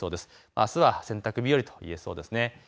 あすは洗濯日和といえそうです。